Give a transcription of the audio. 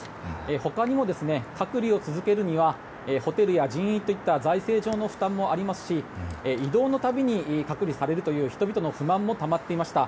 ほかにも隔離を続けるにはホテルや人員といった財政上の負担もありますし移動の旅に隔離されるという人々の不満もたまっていました。